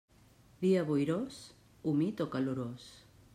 Dia boirós, humit o calorós.